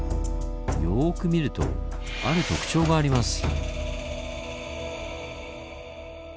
よく見るとある特徴があります。